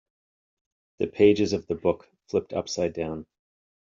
The pages of the book flipped upside down.